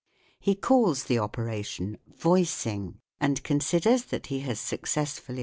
He calls the operation " voicing," and considers that he has successfully FIG.